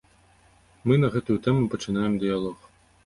Мы на гэтую тэму пачынаем дыялог.